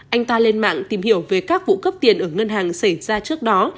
anh ta lên mạng tìm hiểu về các vụ cướp tiền ở ngân hàng xảy ra trước đó